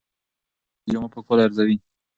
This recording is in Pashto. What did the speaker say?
مور د ماشوم د جامو پاکوالی ارزوي.